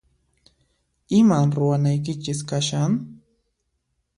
Iman ruwanaykichis kashan?